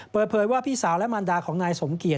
เปิดเผยว่าพี่สาวและมารดาของนายสมเกียจ